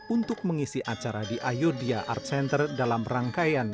untuk mengisi acara di ayodya art center dalam rangkaian